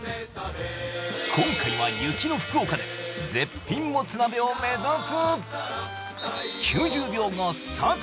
今回は雪の福岡で絶品もつ鍋を目指す